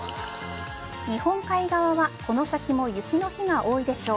日本海側はこの先も雪の日が多いでしょう。